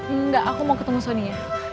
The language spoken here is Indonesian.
enggak aku mau ketemu sonia